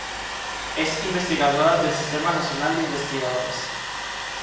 Es investigadora del Sistema Nacional de Investigadores.